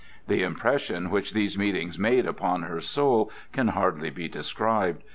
The impression which these meetings made upon her soul can hardly be described.